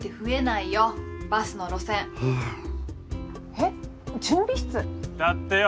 えっ準備室？だってよ